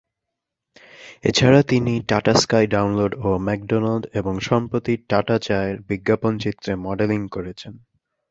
এছাড়া তিনি Tata sky download ও ম্যাকডোনাল্ড এবং সম্প্রতি টাটা চায়ের বিজ্ঞাপন চিত্রে মডেলিং করেছেন।